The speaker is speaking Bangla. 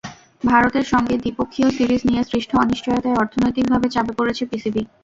ভারতের সঙ্গে দ্বিপক্ষীয় সিরিজ নিয়ে সৃষ্ট অনিশ্চয়তায় অর্থনৈতিক ভাবে চাপে পড়েছে পিসিবি।